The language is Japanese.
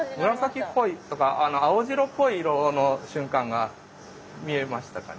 紫っぽいとか青白っぽい色の瞬間が見えましたかね？